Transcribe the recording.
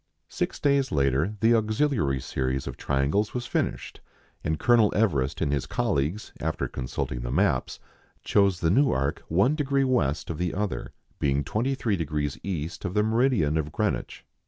Six days later the auxiliary series of triangles was finished, and Colonel Everest and his colleagues, after consulting the maps, chose the new arc one degree west of the other, being 23° east of the meridian of Greenwich.